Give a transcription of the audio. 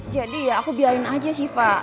jadi ya aku biarin aja syifa